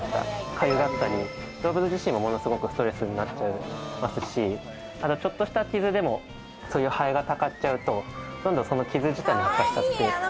かゆがったり動物自身もストレスになっちゃいますし、ちょっとした傷でもハエがたかっちゃうとどんどん、その傷自体も悪化しちゃって。